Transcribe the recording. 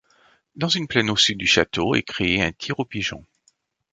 Dans une plaine au sud du château, est créé un tir aux pigeons.